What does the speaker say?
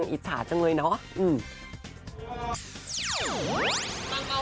อิจฉาจังเลยเนาะ